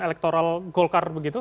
elektoral golkar begitu